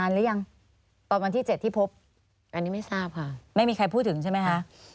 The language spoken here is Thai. แต่ยังไม่ได้ฟังจากตำรวจ